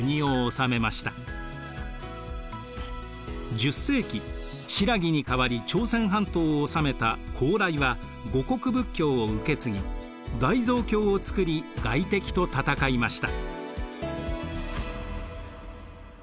１０世紀新羅に代わり朝鮮半島を治めた高麗は護国仏教を受けつぎ大蔵経をつくり外敵と戦いました。